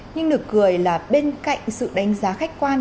nhưng được gửi là bên cạnh sự đánh giá khách quan